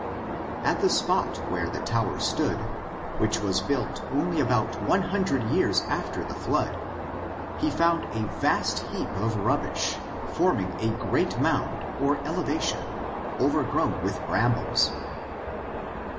[See Plate], At the spot where the tower stood, which was built only about one hundred years after the flood, he found a vast heap of rubbish, forming a great mound, or elevation, overgrown with brambles.